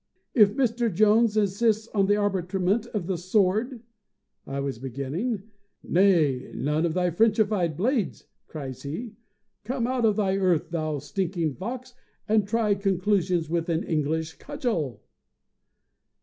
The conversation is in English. "If Mr. Jones insists on the arbitrament of the sword ..." I was beginning—"Nay, none of thy Frenchified blades," cries he, "come out of thy earth, thou stinking fox, and try conclusions with an English cudgel!"